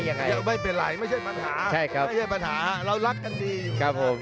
ยังไงยังไม่เป็นไรไม่ใช่ปัญหาใช่ครับไม่ใช่ปัญหาเรารักกันดีครับผม